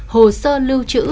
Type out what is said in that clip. hồ sơ lưu chữ